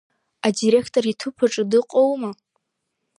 Адиректор иҭыԥаҿы дыҟоума?